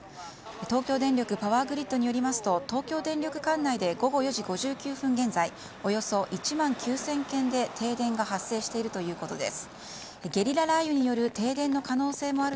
東京電力パワーグリッドによりますと東京電力管内で午後５時現在およそ１万９０００軒で停電が発生しているということです。